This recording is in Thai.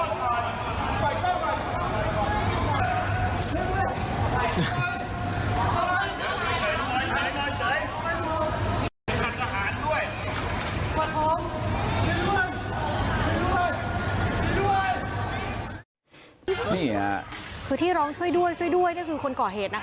นี่นี่คือที่ร้องช่วยด้วยคือคนก่อเหตุ